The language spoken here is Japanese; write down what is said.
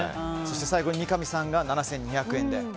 最後、三上さんが７２００円で。